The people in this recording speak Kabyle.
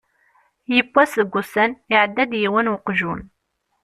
Yiwwas deg wussan, iεedda-d yiwen weqjun.